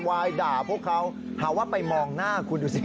วายด่าพวกเขาหาว่าไปมองหน้าคุณดูสิ